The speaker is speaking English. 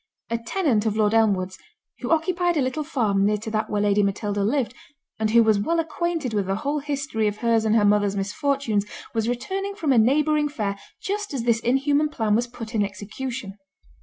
A tenant of Lord Elmwood's, who occupied a little farm near to that where Lady Matilda lived, and who was well acquainted with the whole history of her's and her mother's misfortunes, was returning from a neighbouring fair, just as this inhuman plan was put in execution.